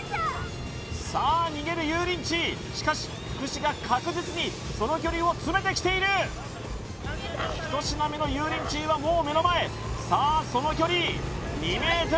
さあしかし福士が確実にその距離を詰めてきている１品目の油淋鶏はもう目の前さあその距離２ｍ１ｍ